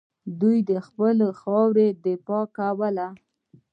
دوی د خپلې خاورې دفاع کوله